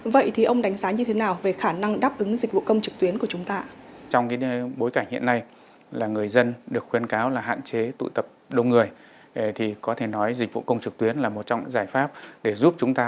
vậy thì ông đánh giá như thế nào về khả năng đáp ứng dịch vụ công trực tuyến của chúng ta